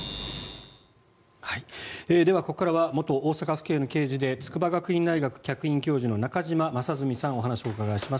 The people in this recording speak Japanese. では、ここからは元大阪府警の刑事で筑波学院大学客員教授の中島正純さんにお話をお伺いします。